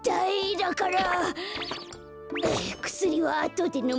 だからくすりはあとでのむ。